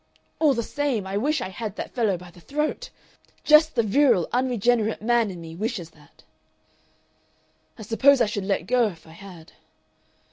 All the same, I wish I had that fellow by the throat! Just the virile, unregenerate man in me wishes that.... "I suppose I should let go if I had.